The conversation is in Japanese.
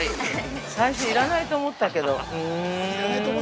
最初要らないと思ったけど◆